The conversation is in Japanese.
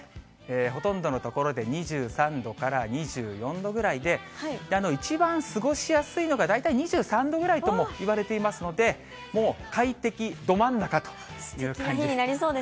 ほとんどの所で２３度から２４度ぐらいで、一番過ごしやすいのが大体２３度ぐらいともいわれていますので、もう快適ど真ん中という感じ。